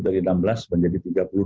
dari enam belas menjadi tiga puluh dua